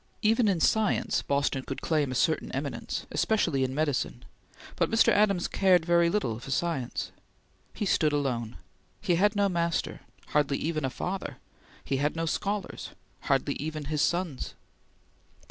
Even in science Boston could claim a certain eminence, especially in medicine, but Mr. Adams cared very little for science. He stood alone. He had no master hardly even his father. He had no scholars hardly even his sons.